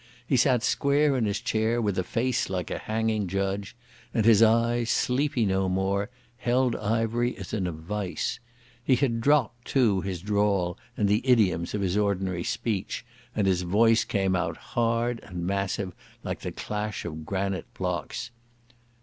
He sat square in his chair with a face like a hanging judge, and his eyes, sleepy no more, held Ivery as in a vice. He had dropped, too, his drawl and the idioms of his ordinary speech, and his voice came out hard and massive like the clash of granite blocks.